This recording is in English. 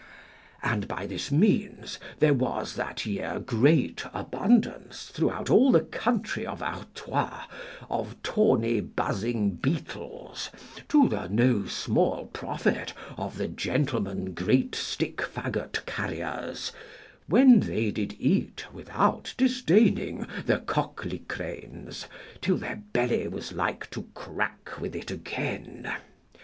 And by this means there was that year great abundance, throughout all the country of Artois, of tawny buzzing beetles, to the no small profit of the gentlemen great stick faggot carriers, when they did eat without disdaining the cocklicranes, till their belly was like to crack with it again.